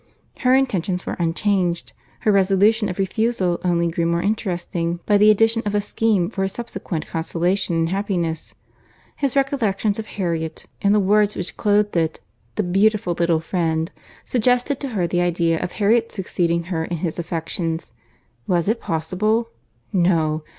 Her intentions were unchanged. Her resolution of refusal only grew more interesting by the addition of a scheme for his subsequent consolation and happiness. His recollection of Harriet, and the words which clothed it, the "beautiful little friend," suggested to her the idea of Harriet's succeeding her in his affections. Was it impossible?—No.